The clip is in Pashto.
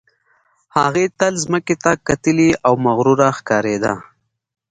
هغه تل ځمکې ته کتلې او مغروره ښکارېده